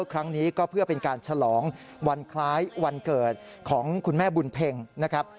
ครั้งนี้ก็เพื่อเป็นการฉลองวันคล้ายวันเกิดของคุณแม่บุญเพ็งนะครับ